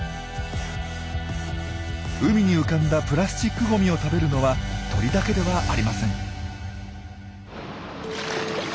海に浮かんだプラスチックゴミを食べるのは鳥だけではありません。